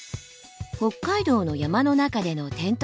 北海道の山の中でのテント泊。